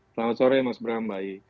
selamat sore mas bram baik